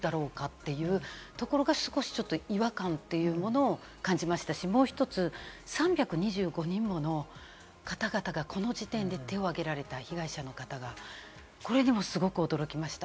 というところが少し違和感というものを感じましたし、もう一つ、３２５人もの方々がこの時点で手を挙げられた被害者の方が、これにもすごく驚きました。